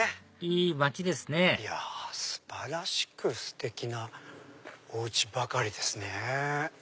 いい街ですねいや素晴らしくステキなおうちばかりですね。